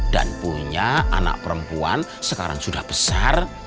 dan punya anak perempuan sekarang sudah besar